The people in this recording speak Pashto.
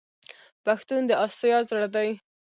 پښتون د اسیا زړه دی.